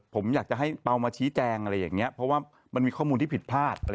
ผมอยากจะให้เปล่ามาชี้แจงอะไรอย่างนี้เพราะว่ามันมีข้อมูลที่ผิดพลาด